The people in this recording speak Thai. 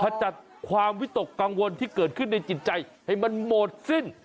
จัดความวิตกกังวลที่เกิดขึ้นในจิตใจให้มันหมดสิ้น